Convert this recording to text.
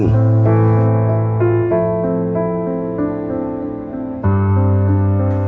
ที่จะรับทราบ